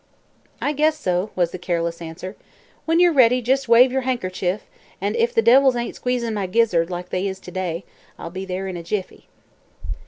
"I guess so," was the careless answer. "When ye're ready, jes' wave yer han'ker'cher an if the devils ain't squeezin' my gizzard, like they is to day, I'll be there in a jiffy."